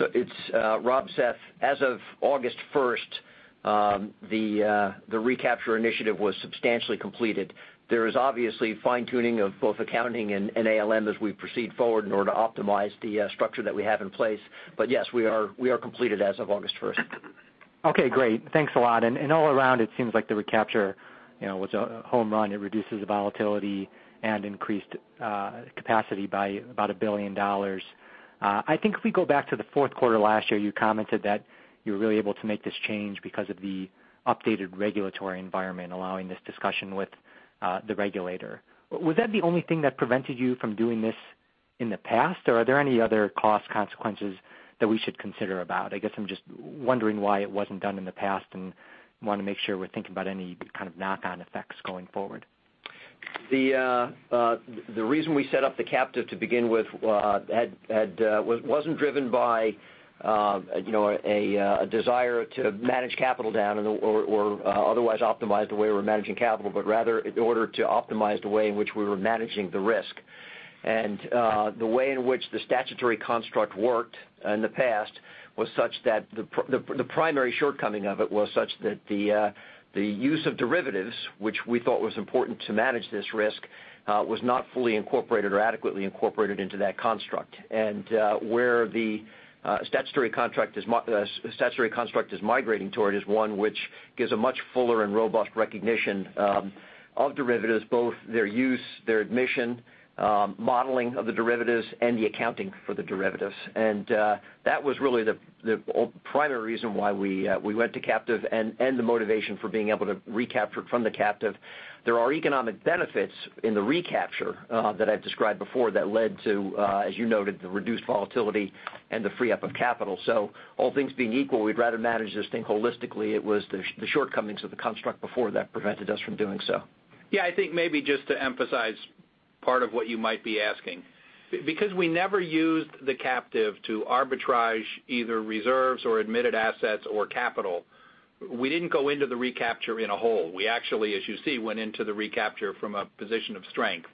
It's Rob, Seth. As of August 1st, the recapture initiative was substantially completed. There is obviously fine-tuning of both accounting and ALM as we proceed forward in order to optimize the structure that we have in place. Yes, we are completed as of August 1st. Okay, great. Thanks a lot. All around it seems like the recapture was a home run. It reduces the volatility and increased capacity by about $1 billion. I think if we go back to the fourth quarter last year, you commented that you were really able to make this change because of the updated regulatory environment allowing this discussion with the regulator. Was that the only thing that prevented you from doing this in the past, or are there any other cost consequences that we should consider about? I guess I'm just wondering why it wasn't done in the past and want to make sure we're thinking about any kind of knock-on effects going forward. The reason we set up the captive to begin with wasn't driven by a desire to manage capital down or otherwise optimize the way we're managing capital, but rather in order to optimize the way in which we were managing the risk. The way in which the statutory construct worked in the past was such that the primary shortcoming of it was such that the use of derivatives, which we thought was important to manage this risk, was not fully incorporated or adequately incorporated into that construct. Where the statutory construct is migrating toward is one which gives a much fuller and robust recognition of derivatives, both their use, their admission, modeling of the derivatives, and the accounting for the derivatives. That was really the primary reason why we went to captive and the motivation for being able to recapture from the captive. There are economic benefits in the recapture that I've described before that led to, as you noted, the reduced volatility and the free up of capital. All things being equal, we'd rather manage this thing holistically. It was the shortcomings of the construct before that prevented us from doing so. I think maybe just to emphasize part of what you might be asking. Because we never used the captive to arbitrage either reserves or admitted assets or capital, we didn't go into the recapture in a hole. We actually, as you see, went into the recapture from a position of strength.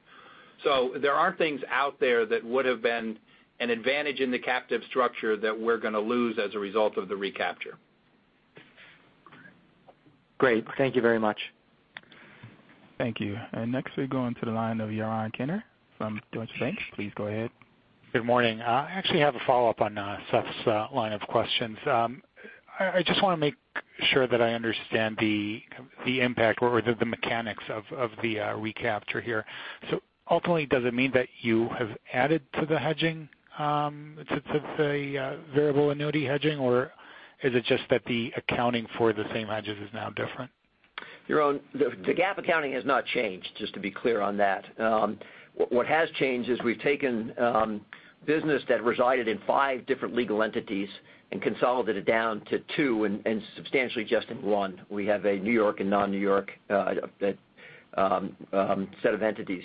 There are things out there that would have been an advantage in the captive structure that we're going to lose as a result of the recapture. Great. Thank you very much. Thank you. Next we go on to the line of Yaron Kinar from Deutsche Bank. Please go ahead. Good morning. I actually have a follow-up on Seth's line of questions. I just want to make sure that I understand the impact or the mechanics of the recapture here. Ultimately, does it mean that you have added to the hedging, to the variable annuity hedging, or is it just that the accounting for the same hedges is now different? Yaron, the GAAP accounting has not changed, just to be clear on that. What has changed is we've taken business that resided in five different legal entities and consolidated down to two and substantially just in one. We have a New York and non-New York set of entities.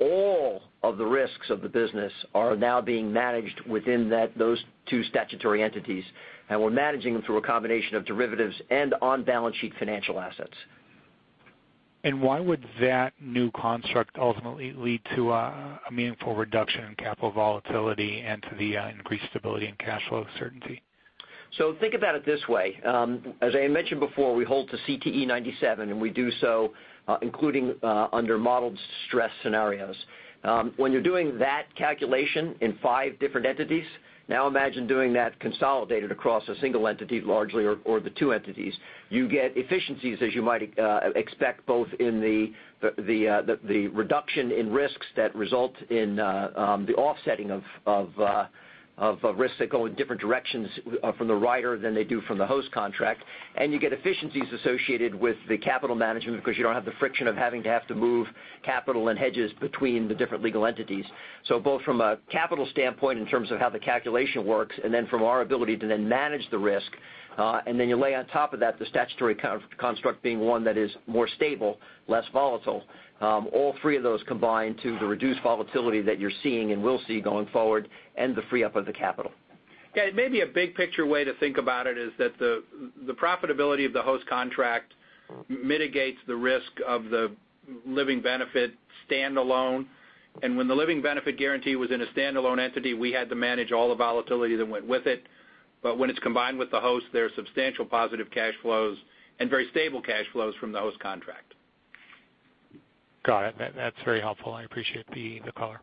All of the risks of the business are now being managed within those two statutory entities, and we're managing them through a combination of derivatives and on-balance sheet financial assets. Why would that new construct ultimately lead to a meaningful reduction in capital volatility and to the increased stability and cash flow certainty? Think about it this way. As I mentioned before, we hold to CTE 97, and we do so including under modeled stress scenarios. When you're doing that calculation in five different entities, now imagine doing that consolidated across a single entity largely or the two entities. You get efficiencies, as you might expect, both in the reduction in risks that result in the offsetting of risks that go in different directions from the rider than they do from the host contract, and you get efficiencies associated with the capital management because you don't have the friction of having to move capital and hedges between the different legal entities. Both from a capital standpoint in terms of how the calculation works and then from our ability to then manage the risk, and then you lay on top of that the statutory construct being one that is more stable, less volatile. All three of those combine to the reduced volatility that you're seeing and will see going forward and the free up of the capital. Maybe a big-picture way to think about it is that the profitability of the host contract mitigates the risk of the living benefit standalone. When the living benefit guarantee was in a standalone entity, we had to manage all the volatility that went with it. When it's combined with the host, there are substantial positive cash flows and very stable cash flows from the host contract. Got it. That's very helpful. I appreciate the color.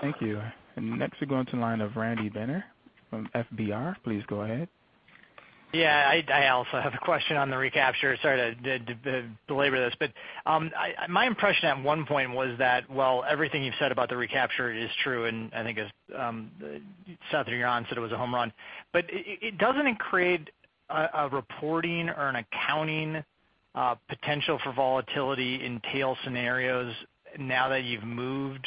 Thank you. Next, we go on to the line of Randy Binner from FBR. Please go ahead. Yeah, I also have a question on the recapture. Sorry to belabor this, my impression at one point was that while everything you've said about the recapture is true, and I think as Seth and Yaron said, it was a home run. Doesn't it create a reporting or an accounting potential for volatility in tail scenarios now that you've moved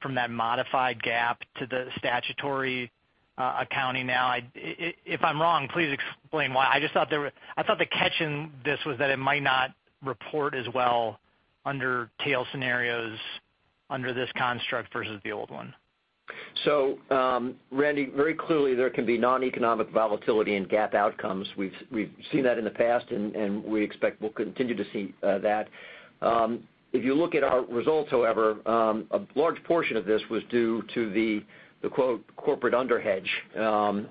from that modified GAAP to the statutory accounting now? If I'm wrong, please explain why. I thought the catch in this was that it might not report as well under tail scenarios under this construct versus the old one. Randy, very clearly there can be noneconomic volatility in GAAP outcomes. We've seen that in the past, and we expect we'll continue to see that. If you look at our results, however, a large portion of this was due to the quote, corporate underhedge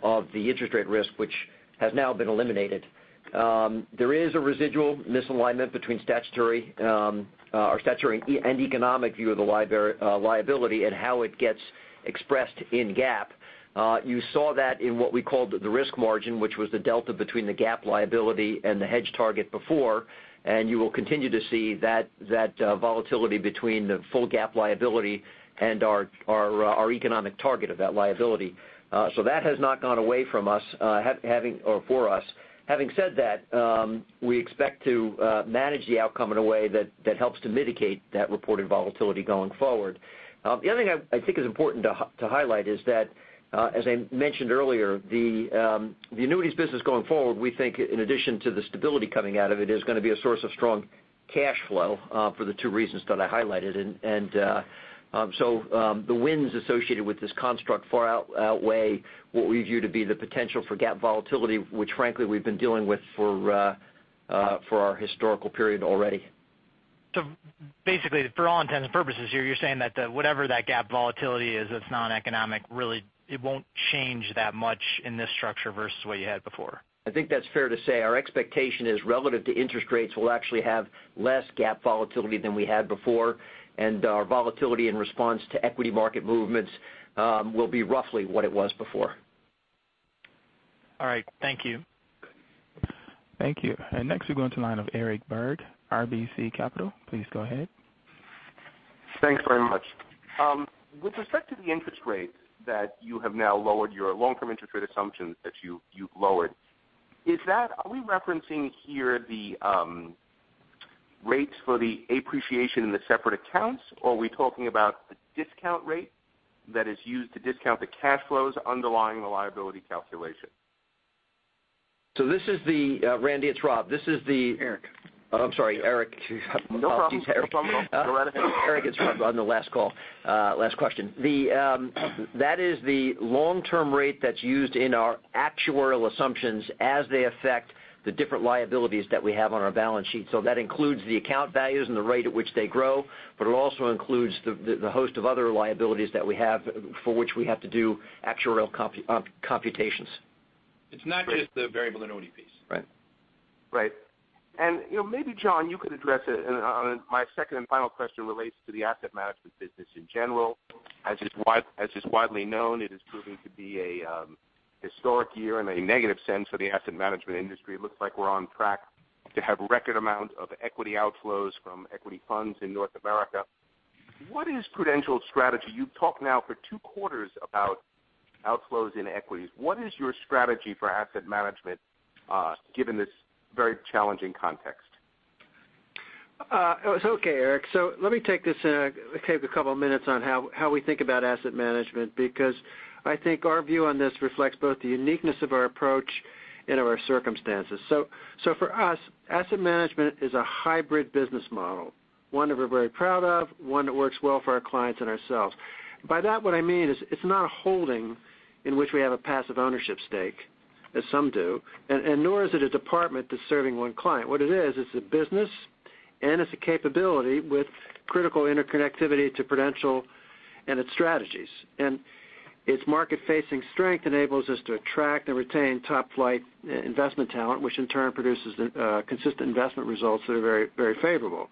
of the interest rate risk, which has now been eliminated. There is a residual misalignment between statutory or statutory and economic view of the liability and how it gets expressed in GAAP. You saw that in what we called the risk margin, which was the delta between the GAAP liability and the hedge target before. You will continue to see that volatility between the full GAAP liability and our economic target of that liability. That has not gone away from us, or for us. Having said that, we expect to manage the outcome in a way that helps to mitigate that reported volatility going forward. The other thing I think is important to highlight is that, as I mentioned earlier, the annuities business going forward, we think in addition to the stability coming out of it, is going to be a source of strong cash flow for the two reasons that I highlighted. The wins associated with this construct far outweigh what we view to be the potential for GAAP volatility, which frankly, we've been dealing with for our historical period already. Basically, for all intents and purposes here, you're saying that whatever that GAAP volatility is that's noneconomic, really, it won't change that much in this structure versus what you had before? I think that's fair to say. Our expectation is relative to interest rates, we'll actually have less GAAP volatility than we had before, and our volatility in response to equity market movements will be roughly what it was before. All right. Thank you. Thank you. Next we go into line of Eric Berg, RBC Capital. Please go ahead. Thanks very much. With respect to the interest rate that you have now lowered your long-term interest rate assumptions that you've lowered. Are we referencing here the rates for the appreciation in the separate accounts, or are we talking about the discount rate that is used to discount the cash flows underlying the liability calculation? Randy, it's Rob. Eric. I'm sorry, Eric. No problem. Go right ahead. Eric, it's Rob on the last call, last question. That is the long-term rate that's used in our actuarial assumptions as they affect the different liabilities that we have on our balance sheet. That includes the account values and the rate at which they grow, but it also includes the host of other liabilities that we have for which we have to do actuarial computations. It's not just the variable in ODPs. Right. Right. Maybe, John, you could address it on my second and final question relates to the asset management business in general. As is widely known, it is proving to be a historic year in a negative sense for the asset management industry. It looks like we're on track to have record amount of equity outflows from equity funds in North America. What is Prudential's strategy? You've talked now for two quarters about outflows in equities. What is your strategy for asset management given this very challenging context? Okay, Eric, let me take a couple of minutes on how we think about asset management, because I think our view on this reflects both the uniqueness of our approach and of our circumstances. For us, asset management is a hybrid business model, one that we're very proud of, one that works well for our clients and ourselves. By that, what I mean is it's not a holding in which we have a passive ownership stake, as some do, nor is it a department that's serving one client. What it is, it's a business and it's a capability with critical interconnectivity to Prudential and its strategies. Its market-facing strength enables us to attract and retain top-flight investment talent, which in turn produces consistent investment results that are very favorable.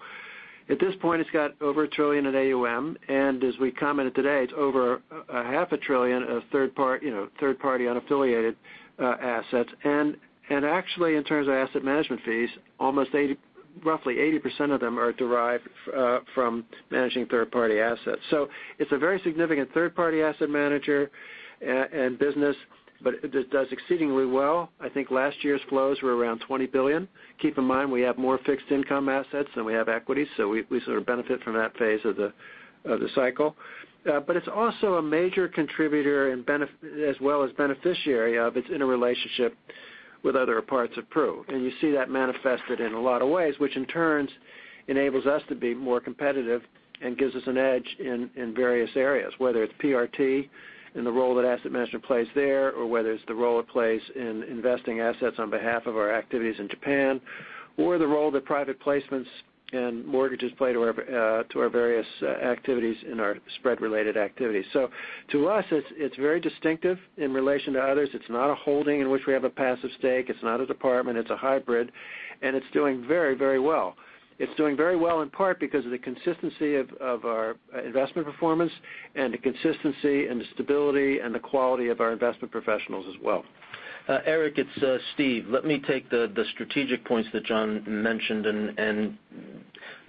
At this point, it's got over $1 trillion in AUM. As we commented today, it's over a half a trillion of third-party unaffiliated assets. Actually, in terms of asset management fees, almost roughly 80% of them are derived from managing third-party assets. It's a very significant third-party asset manager and business, but it does exceedingly well. I think last year's flows were around $20 billion. Keep in mind, we have more fixed income assets than we have equity, so we sort of benefit from that phase of the cycle. It's also a major contributor as well as beneficiary of its interrelationship with other parts of Pru. You see that manifested in a lot of ways, which in turn enables us to be more competitive and gives us an edge in various areas, whether it's PRT and the role that asset management plays there, or whether it's the role it plays in investing assets on behalf of our activities in Japan, or the role that private placements and mortgages play to our various activities in our spread-related activities. To us, it's very distinctive in relation to others. It's not a holding in which we have a passive stake. It's not a department. It's a hybrid, and it's doing very well. It's doing very well, in part because of the consistency of our investment performance and the consistency and the stability and the quality of our investment professionals as well. Eric, it's Steve. Let me take the strategic points that John mentioned and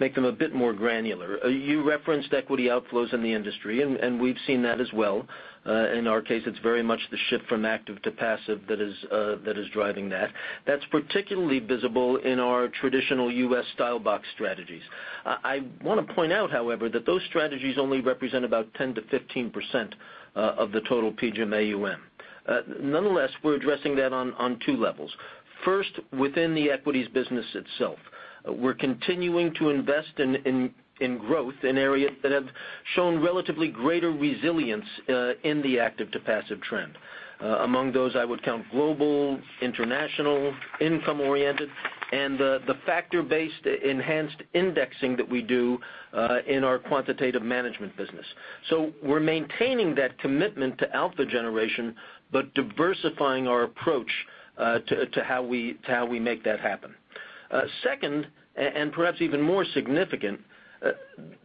make them a bit more granular. You referenced equity outflows in the industry, and we've seen that as well. In our case, it's very much the shift from active to passive that is driving that. That's particularly visible in our traditional U.S. style box strategies. I want to point out, however, that those strategies only represent about 10%-15% of the total PGIM AUM. Nonetheless, we're addressing that on two levels. First, within the equities business itself. We're continuing to invest in growth in areas that have shown relatively greater resilience in the active to passive trend. Among those, I would count global, international, income-oriented, and the factor-based enhanced indexing that we do in our quantitative management business. We're maintaining that commitment to alpha generation, but diversifying our approach to how we make that happen. Second, and perhaps even more significant,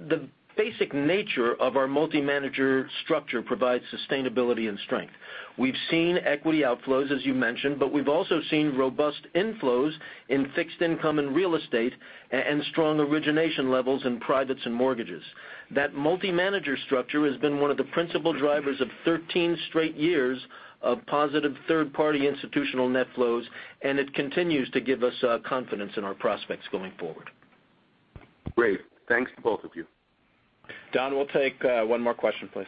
the basic nature of our multi-manager structure provides sustainability and strength. We've seen equity outflows, as you mentioned, but we've also seen robust inflows in fixed income and real estate and strong origination levels in privates and mortgages. That multi-manager structure has been one of the principal drivers of 13 straight years of positive third-party institutional net flows, and it continues to give us confidence in our prospects going forward. Great. Thanks to both of you. Don, we'll take one more question, please.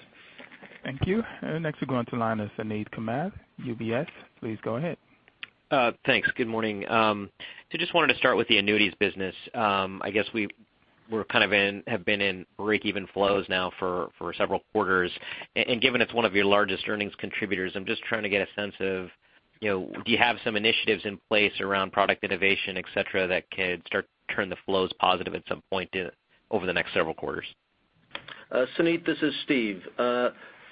Thank you. Next we go on to line of Suneet Kamath, UBS. Please go ahead. Thanks. Good morning. Just wanted to start with the annuities business. I guess we have been in break-even flows now for several quarters. Given it's one of your largest earnings contributors, I'm just trying to get a sense of, do you have some initiatives in place around product innovation, et cetera, that could start turn the flows positive at some point over the next several quarters? Suneet, this is Steve.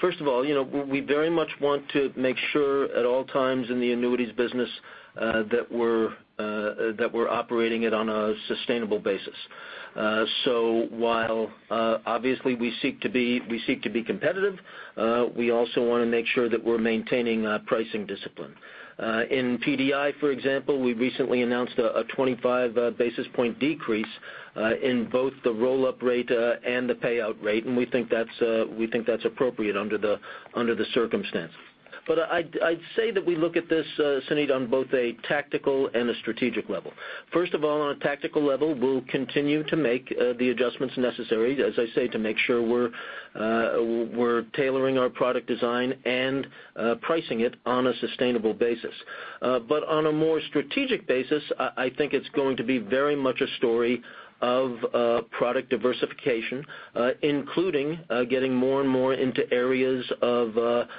First of all, we very much want to make sure at all times in the annuities business that we're operating it on a sustainable basis. While obviously we seek to be competitive, we also want to make sure that we're maintaining pricing discipline. In PDI, for example, we recently announced a 25 basis point decrease in both the roll-up rate and the payout rate, and we think that's appropriate under the circumstance. I'd say that we look at this, Suneet, on both a tactical and a strategic level. First of all, on a tactical level, we'll continue to make the adjustments necessary, as I say, to make sure we're tailoring our product design and pricing it on a sustainable basis. On a more strategic basis, I think it's going to be very much a story of product diversification, including getting more and more into areas of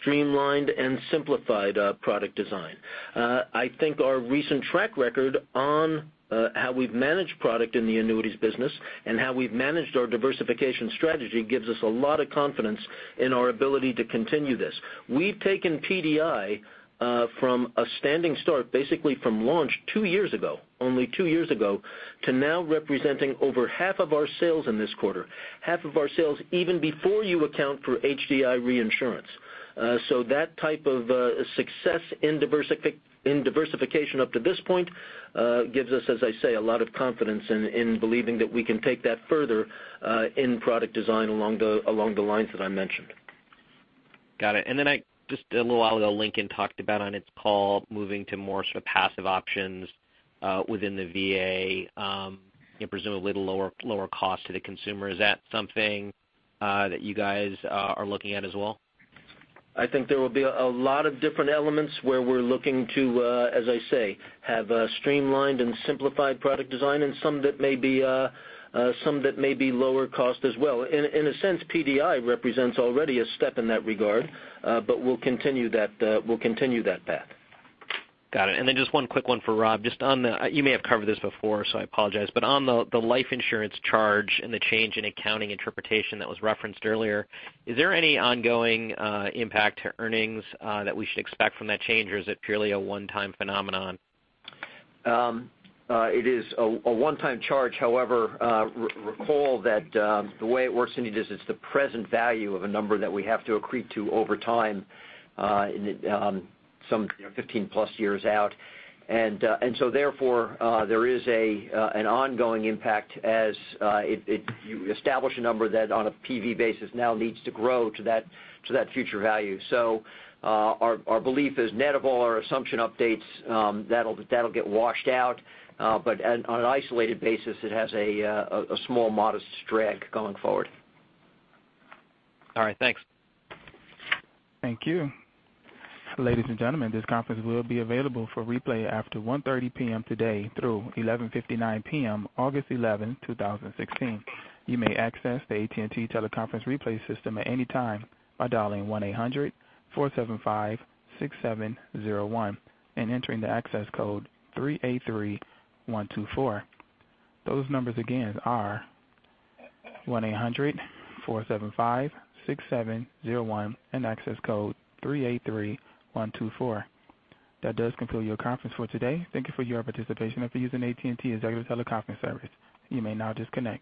streamlined and simplified product design. I think our recent track record on how we've managed product in the annuities business and how we've managed our diversification strategy gives us a lot of confidence in our ability to continue this. We've taken PDI from a standing start, basically from launch two years ago, only two years ago, to now representing over half of our sales in this quarter. Half of our sales even before you account for HDI reinsurance. That type of success in diversification up to this point gives us, as I say, a lot of confidence in believing that we can take that further in product design along the lines that I mentioned. Got it. Then just a little while ago, Lincoln talked about on its call moving to more sort of passive options within the VA presumably to lower cost to the consumer. Is that something that you guys are looking at as well? I think there will be a lot of different elements where we're looking to, as I say, have a streamlined and simplified product design and some that may be lower cost as well. In a sense, PDI represents already a step in that regard, we'll continue that path. Got it. Just one quick one for Rob. You may have covered this before, so I apologize. On the life insurance charge and the change in accounting interpretation that was referenced earlier, is there any ongoing impact to earnings that we should expect from that change, or is it purely a one-time phenomenon? It is a one-time charge. However, recall that the way it works, Suneet, is it's the present value of a number that we have to accrete to over time some 15 plus years out. Therefore, there is an ongoing impact as you establish a number that on a PV basis now needs to grow to that future value. Our belief is net of all our assumption updates, that'll get washed out, but on an isolated basis, it has a small modest drag going forward. All right. Thanks. Thank you. Ladies and gentlemen, this conference will be available for replay after 1:30 P.M. today through 11:59 P.M. August 11, 2016. You may access the AT&T teleconference replay system at any time by dialing 1-800-475-6701 and entering the access code 383124. Those numbers again are 1-800-475-6701 and access code 383124. That does conclude your conference for today. Thank you for your participation at the AT&T Executive Teleconference service. You may now disconnect.